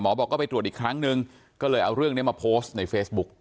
บอกก็ไปตรวจอีกครั้งนึงก็เลยเอาเรื่องนี้มาโพสต์ในเฟซบุ๊ก